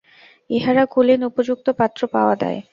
ইহারা কুলীন, উপযুক্ত পাত্র পাওয়া দায়।